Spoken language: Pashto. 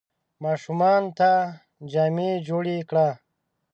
ماشومانو ته جامې جوړي کړه !